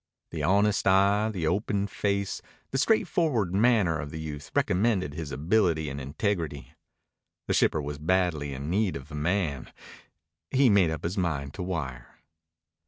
The honest eye, the open face, the straightforward manner of the youth recommended his ability and integrity. The shipper was badly in need of a man. He made up his mind to wire.